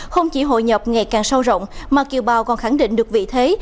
không chỉ hội nhập ngày càng sâu rộng mà kiều bào còn khẳng định được vị thế